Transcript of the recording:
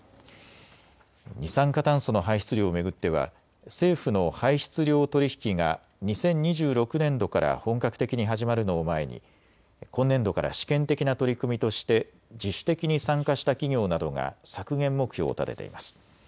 二酸化炭素の排出量を巡っては政府の排出量取引が２０２６年度から本格的に始まるのを前に今年度から試験的な取り組みとして自主的に参加した企業などが削減目標を立てています。